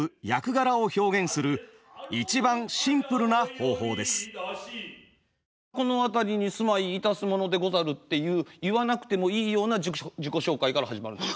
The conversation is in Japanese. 狂言では大抵舞台に登場するとまず「このあたりに住まいいたすものでござる」っていう言わなくてもいいような自己紹介から始まるんです。